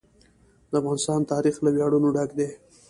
د افغانستان تاریخ له ویاړونو ډک دی.